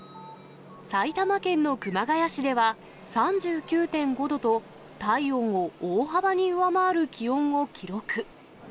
埼玉県の熊谷市では、３９．５度と、体温を大幅に上回る気温を記録。